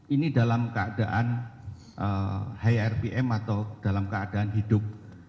ini dalam keadaan high rpm atau dalam keadaan hidup